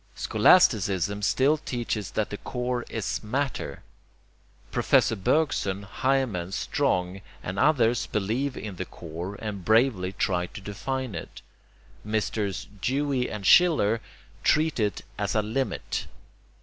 Scholasticism still teaches that the core is 'matter.' Professor Bergson, Heymans, Strong, and others, believe in the core and bravely try to define it. Messrs. Dewey and Schiller treat it as a 'limit.'